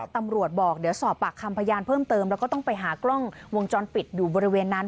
ตำรวจบอกเดี๋ยวสอบปากคำพยานเพิ่มเติมแล้วก็ต้องไปหากล้องวงจรปิดอยู่บริเวณนั้น